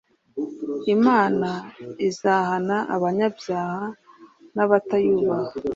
Imana izahana abanyabyaha nabatayubaha